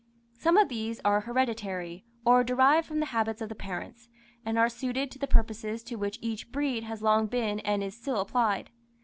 Some of these are hereditary, or derived from the habits of the parents, and are suited to the purposes to which each breed has long been and is still applied.